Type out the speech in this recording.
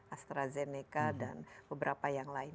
astrazeneca dan beberapa yang lain